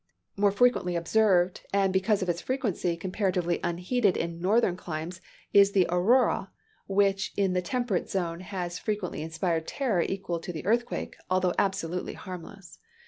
More frequently observed, and because of its frequency, comparatively unheeded in northern climes, is the aurora, which in the temperate zone has frequently inspired terror equal to the earthquake, though absolutely harmless.